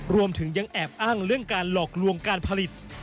รวมถึงยังแอบอ้างเรื่องการหลอกลวงการผลิต